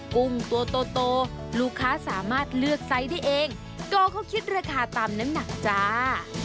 กุ้งตัวโตลูกค้าสามารถเลือกไซส์ได้เองก็เขาคิดราคาตามน้ำหนักจ้า